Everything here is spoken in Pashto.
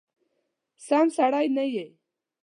سم سړی نه یې !